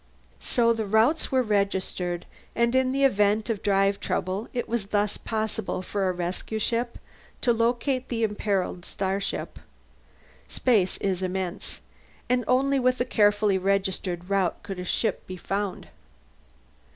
So the routes were registered, and in the event of drive trouble it was thus possible for a rescue ship to locate the imperilled starship. Space is immense, and only with a carefully registered route could a ship be found.